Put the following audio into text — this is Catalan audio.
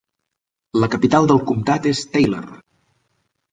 La capital del comtat és Taylor.